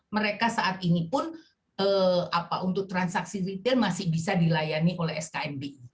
mereka saat ini pun untuk transaksi retail masih bisa dilayani oleh skmb